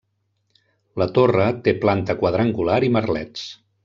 La Torre té planta quadrangular i merlets.